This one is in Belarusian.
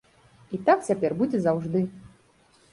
І так цяпер будзе заўжды.